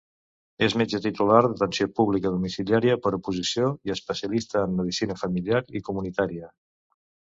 És metge Titular d'Atenció Pública Domiciliària per oposició i especialista en Medicina Familiar i Comunitària.